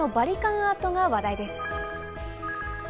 アートが話題です。